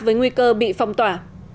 với nguy cơ bị phong tỏa